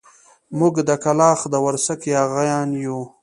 موږ د کلاخ د ورسک ياغيان يو.